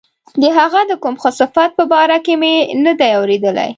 د هغه د کوم ښه صفت په باره کې مې نه دي اوریدلي.